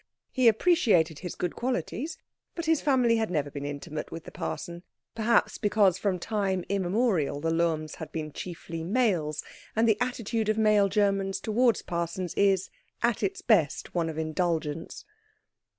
He appreciated his good qualities, but his family had never been intimate with the parson; perhaps because from time immemorial the Lohms had been chiefly males, and the attitude of male Germans towards parsons is, at its best, one of indulgence.